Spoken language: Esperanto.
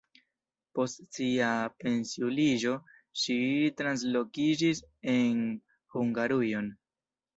Post sia pensiuliĝo ŝi translokiĝis en Hungarujon.